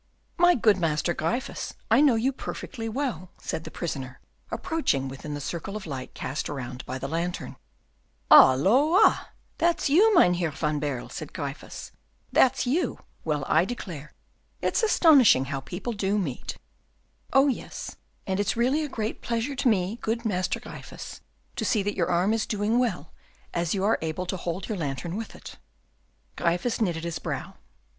"My good Master Gryphus, I know you perfectly well," said the prisoner, approaching within the circle of light cast around by the lantern. "Halloa! that's you, Mynheer van Baerle," said Gryphus. "That's you; well, I declare, it's astonishing how people do meet." "Oh, yes; and it's really a great pleasure to me, good Master Gryphus, to see that your arm is doing well, as you are able to hold your lantern with it." Gryphus knitted his brow.